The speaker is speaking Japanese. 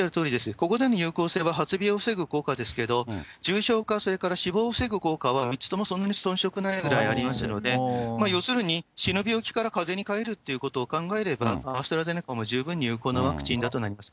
ここでの有効性は発病を防ぐ効果ですけれども、重症化、それから死亡を防ぐ効果は３つともそん色ないくらいありますので、要するに、死ぬ病気からかぜに変えるっていうことを考えれば、アストラゼネカも十分に有効なワクチンだとなります。